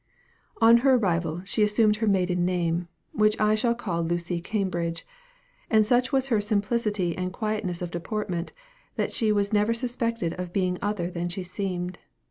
On her arrival, she assumed her maiden name, which I shall call Lucy Cambridge; and such was her simplicity and quietness of deportment, that she was never suspected of being other than she seemed.